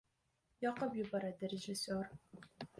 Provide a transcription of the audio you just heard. yoqib yuboradi rejissyor